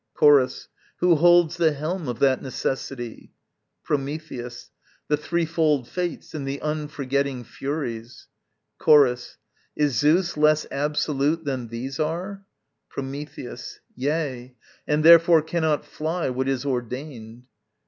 Chorus. Who holds the helm of that Necessity? Prometheus. The threefold Fates and the unforgetting Furies. Chorus. Is Zeus less absolute than these are? Prometheus. Yea, And therefore cannot fly what is ordained.